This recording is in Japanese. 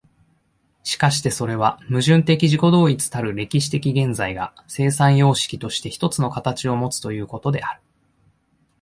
しかしてそれは矛盾的自己同一たる歴史的現在が、生産様式として一つの形をもつということである。